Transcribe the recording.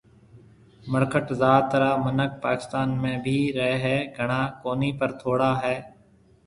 مڙکٽ ذات را مِنک پاڪستان ۾ بهيَ رهيَ هيَ گھڻا ڪونِي پر ٿوڙا هيَ